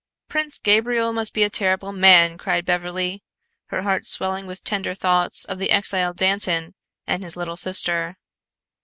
"Prince Gabriel must be a terrible man," cried Beverly, her heart swelling with tender thoughts of the exiled Dantan and his little sister.